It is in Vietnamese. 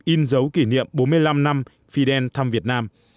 in dấu kỷ niệm bốn mươi năm năm phi đen thăm việt nam